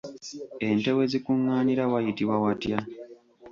Ente we zikungaanira wayitibwa watya?